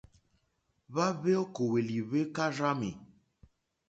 Hwa hweokoweli hwe karzami.